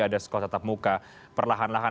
ada sekolah tatap muka perlahan lahan